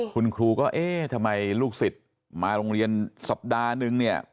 คุณครูก็เอ๊ะทำไมลูกศิษย์มาโรงเรียนสัปดาห์นึงเนี่ย